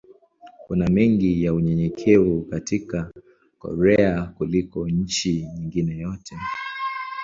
Kuna mengi ya unyenyekevu katika Korea kuliko nchi nyingine yoyote.